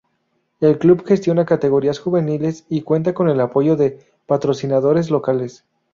El club gestiona categorías juveniles, y cuenta con el apoyo de patrocinadores locales.